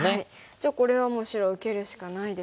じゃあこれはもう白受けるしかないですね。